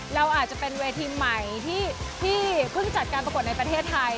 เราอาจจะเป็นเวทีใหม่ที่เพิ่งจัดการปรากฏในประเทศไทย